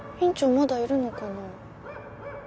まだいるのかな？